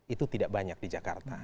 itu tidak banyak di jakarta